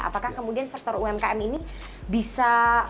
apakah kemudian sektor umkm ini bisa